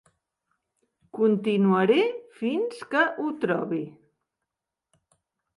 Continuaré fins que ho trobi.